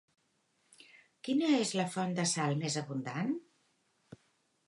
Quina és la font de sal més abundant?